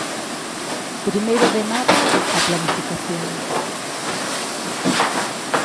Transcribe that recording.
Primeiro de nada, a planificación.